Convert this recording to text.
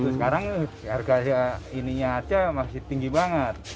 sekarang harga ininya aja masih tinggi banget